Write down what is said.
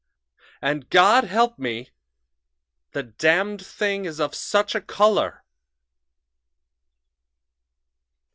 "And, God help me! the Damned Thing is of such a color!"